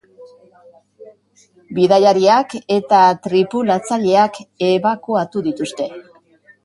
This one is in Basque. Bidaiariak eta tripulatzaileak ebakuatu dituzte.